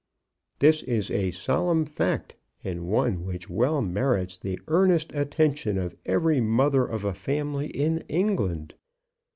This is a Solemn Fact, and one which well merits the earnest attention of every mother of a family in England.